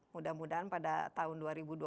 mudah mudahan pada tahun dua ribu dua puluh